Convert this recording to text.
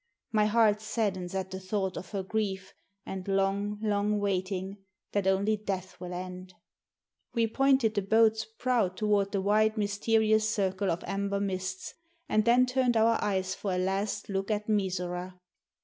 My heart saddens at the thought of her grief and long, long waiting that only death will end. We pointed the boat's prow toward the wide mysterious circle of amber mists, and then turned our eyes for a last look at Mizora.